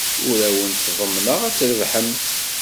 Ur awent-ḍemmneɣ ad trebḥemt.